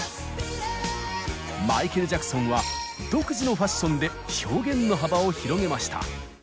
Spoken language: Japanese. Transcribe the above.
マイケル・ジャクソンは独自のファッションで表現の幅を広げました。